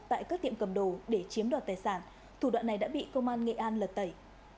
tại các tiệm cầm đồ để chiếm đoạt tài sản thủ đoạn này đã bị công an nghệ an lật tẩy